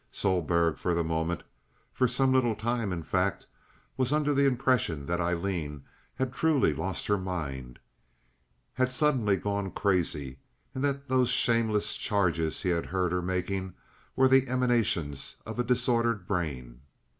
Sohlberg for the moment—for some little time, in fact—was under the impression that Aileen had truly lost her mind, had suddenly gone crazy, and that those shameless charges he had heard her making were the emanations of a disordered brain.